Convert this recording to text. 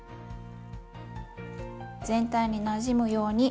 全体になじむように混ぜます。